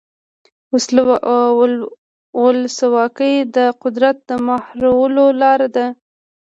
ولسواکي د قدرت د مهارولو لاره ده.